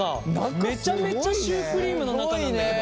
めちゃめちゃシュークリームの中なんだけど。